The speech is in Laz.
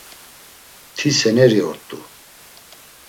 Ti seneri ort̆u.